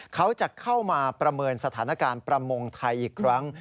เขาจะเข้ามาประเมินสถานการณ์ประมงไทยอีกครั้ง